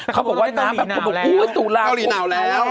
เขาบอกว่าเกาหลีหนาวแล้ว